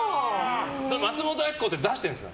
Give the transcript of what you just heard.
それ松本明子で出してるんですか？